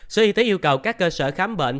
sở y tế yêu cầu các cơ sở khám bệnh